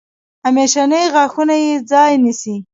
همیشني غاښونه یې ځای نیسي.